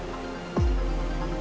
kalau selama ini